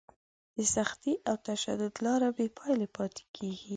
د سختي او تشدد لاره بې پایلې پاتې کېږي.